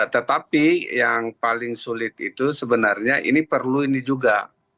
tetapi yang paling sulit itu sebenarnya ini perlu ini juga